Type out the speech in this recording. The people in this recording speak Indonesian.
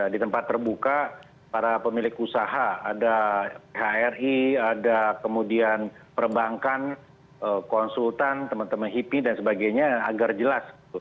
di tempat terbuka para pemilik usaha ada hri ada kemudian perbankan konsultan teman teman hip dan sebagainya agar jelas